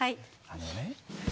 あのね。